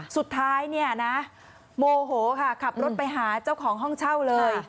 สุดท้ายเนี่ยนะโมโหค่ะขับรถไปหาเจ้าของห้องเช่าเลย